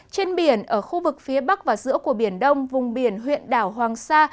trên biển ở khu vực phía bắc và giữa của biển đông vùng biển huyện đảo hoàng sa